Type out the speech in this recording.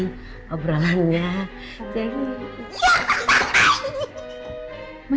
gak usah teri sih